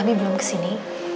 abi belum kesini